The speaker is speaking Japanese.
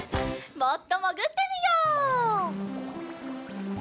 もっともぐってみよう。